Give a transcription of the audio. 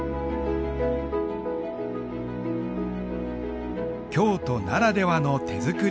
京都ならではの手作り体験。